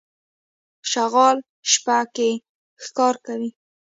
شغال شپه کې ښکار کوي.